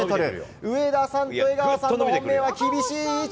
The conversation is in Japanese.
上田さんと江川さんの本命は厳しい位置。